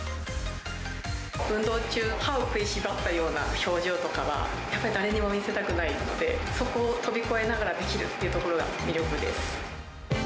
運動中、歯を食いしばったような表情とかは、やっぱり誰にも見せたくないので、そこを飛び越えながらできるっていうところが魅力です。